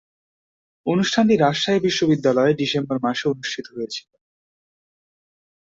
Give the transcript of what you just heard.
অনুষ্ঠানটি রাজশাহী বিশ্বনিদ্যালয়ে ডিসেম্বর মাসে অনুষ্ঠিত হয়েছিলো।